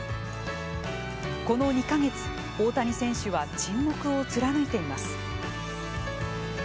この２か月大谷選手は沈黙を貫いています。